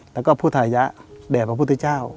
แล้วก็พุทธายะแด่พระพุทธเจ้า